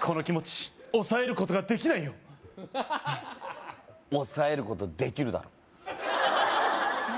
この気持ち抑えることができないよ抑えることできるだろねえ